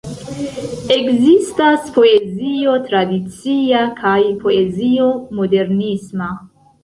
Ekzistas poezio tradicia kaj poezio modernisma.